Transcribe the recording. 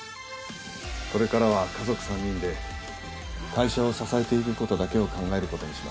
これからは家族３人で会社を支えていく事だけを考える事にします。